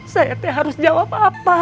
saya tidak harus jawab apa